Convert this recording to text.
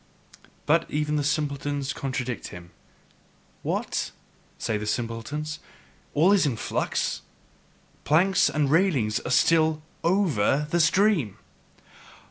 But even the simpletons contradict him. "What?" say the simpletons, "all in flux? Planks and railings are still OVER the stream!